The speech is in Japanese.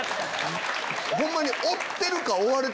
ホンマに。